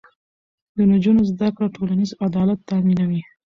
د نجونو زده کړه ټولنیز عدالت تامینوي.